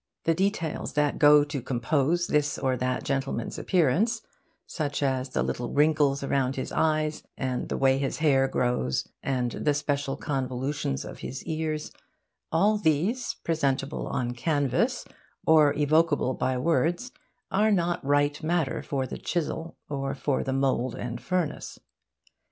The details that go to compose this or that gentleman's appearance such as the little wrinkles around his eyes, and the way his hair grows, and the special convolutions of his ears all these, presentable on canvas, or evocable by words, are not right matter for the chisel or for the mould and furnace.